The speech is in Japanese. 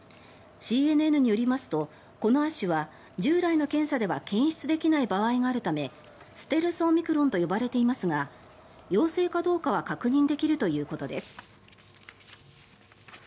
ＣＮＮによりますとこの亜種は従来の検査では検出できない場合があるためステルス・オミクロンと呼ばれていますが陽性かどうかは確認できるということです。